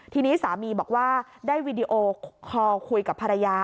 ทีนี้สามีบอกว่าได้วีดีโอคอลคุยกับภรรยา